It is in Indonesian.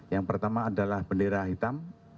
yang pertama adalah bendera hitam